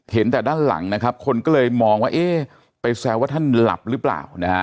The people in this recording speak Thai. เห็นแต่ด้านหลังนะครับคนก็เลยมองว่าเอ๊ะไปแซวว่าท่านหลับหรือเปล่านะฮะ